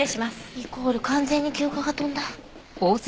イコール完全に休暇が飛んだ。